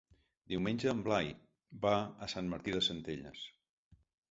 Diumenge en Blai va a Sant Martí de Centelles.